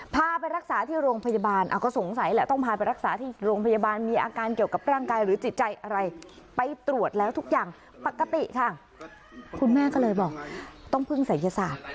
ปกติค่ะคุณแม่ก็เลยบอกต้องพึ่งศัลยศาสตร์